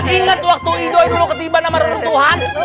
ingat waktu idoi dulu ketiba nama raja tuhan